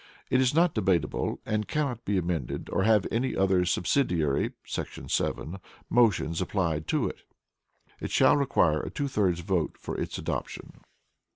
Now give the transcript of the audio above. It is not debatable, and cannot be amended or have any other Subsidiary [§ 7] motion applied to it. It shall require a two thirds vote for its adoption.